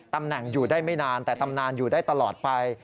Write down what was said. ตำแหน่งอยู่ได้ไม่นานแต่ตำนานอยู่ได้ตลอดไป